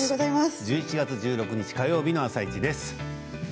１１月１６日火曜日の「あさイチ」です。